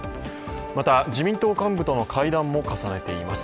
また、自民党幹部との会談も重ねています。